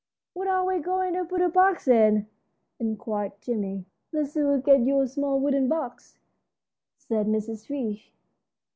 "What are we going to put the bugs in?" inquired Jimmie. "Lizzie will get you a small wooden box," said Mrs. Reece.